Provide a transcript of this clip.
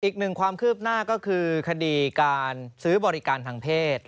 อีกหนึ่งความคืบหน้าก็คือคดีการซื้อบริการทางเพศ